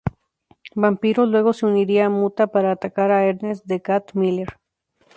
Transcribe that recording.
Vampiro luego se uniría a Muta para atacar a Ernest 'The Cat' Miller.